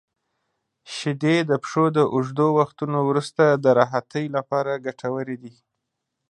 • شیدې د پښو د اوږدو وختونو وروسته د راحتۍ لپاره ګټورې دي.